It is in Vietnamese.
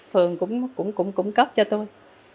phường cũng cung cấp cho tôi